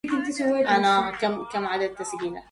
فخرت قحطان أن كان لها